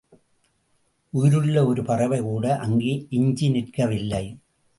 உயிருள்ள ஒரு பறவை கூட அங்கே எஞ்சி நிற்கவில்லை.